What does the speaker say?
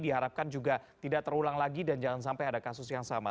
diharapkan juga tidak terulang lagi dan jangan sampai ada kasus yang sama